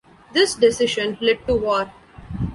This decision led to war.